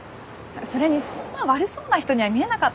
それにそんな悪そうな人には見えなかったよ。